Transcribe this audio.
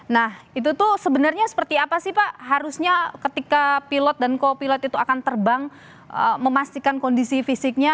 nah itu tuh sebenarnya seperti apa sih pak harusnya ketika pilot dan kopilot itu akan terbang memastikan kondisi fisiknya